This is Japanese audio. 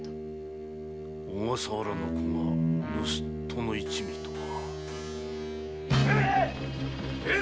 小笠原の子が盗っ人の一味とは。